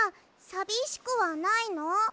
さびしくはないの？